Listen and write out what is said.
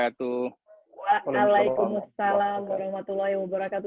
wa'alaikumussalam warahmatullahi wabarakatuh